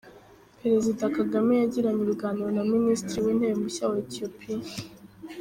Perezida Kagame yagiranye ibiganiro na Minisitiri w’Intebe mushya wa Etiyopiya